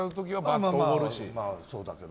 まあ、そうだけど。